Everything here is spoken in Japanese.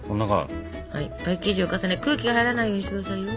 パイ生地を重ね空気が入らないようにして下さいよ。